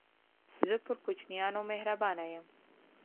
زه پر کوچنيانو مهربانه يم.